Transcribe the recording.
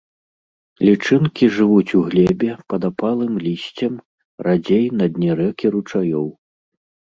Лічынкі жывуць у глебе, пад апалым лісцем, радзей на дне рэк і ручаёў.